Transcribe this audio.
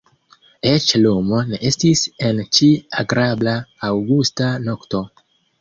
Eĉ lumo ne estis en ĉi agrabla aŭgusta nokto.